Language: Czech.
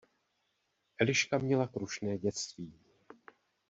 Eliška měla krušné dětství.